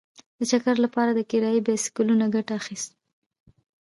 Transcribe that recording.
د چکر لپاره له کرايي بایسکلونو ګټه اخیسته.